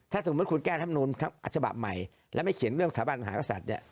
ถ้าสมมุติคุณแก้รัฐมนุนทั้งฉบับใหม่แล้วไม่เขียนเรื่องสถาบันภาษาสัตว์